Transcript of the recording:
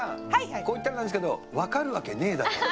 こう言ったらなんですけど分かるわけねえだろ！